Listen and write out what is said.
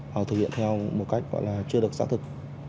hoặc thực hiện theo một cách gọi là chưa được xác thực